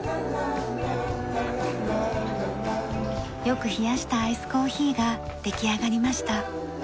よく冷やしたアイスコーヒーができあがりました。